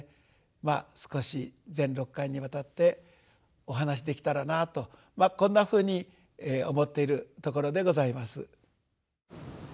まあ少し全６回にわたってお話しできたらなぁとこんなふうに思っているところでございます。